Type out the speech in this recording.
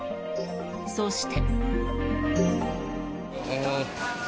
そして。